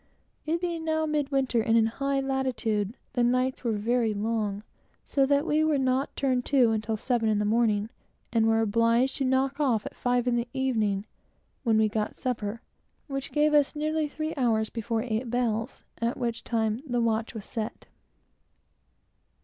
It being now mid winter and in high latitude, the nights were very long, so that we were not turned to until seven in the morning, and were obliged to knock off at five in the evening, when we got supper; which gave us nearly three hours before eight bells, at which time the watch was set.